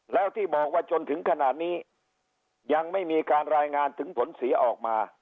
แล้วที่บอกว่าจนถึงขนาดนี้ยังไม่มีการรายงานถึงผลเสียออกมา